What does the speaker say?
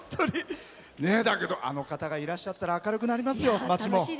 あの方がいらっしゃったら明るくなりますよ、町も。